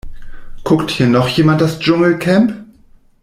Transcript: Guckt hier noch jemand das Dschungelcamp?